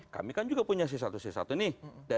kami kan juga punya si satu si satu nih